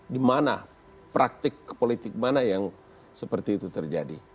di mana praktik politik mana yang seperti itu terjadi